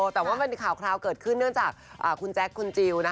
แต่ว่ามันมีข่าวคราวเกิดขึ้นเนื่องจากคุณแจ๊คคุณจิล